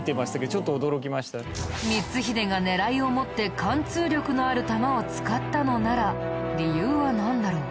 光秀が狙いを持って貫通力のある玉を使ったのなら理由はなんだろう？